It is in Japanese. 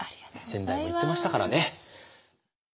先代も言ってましたからね。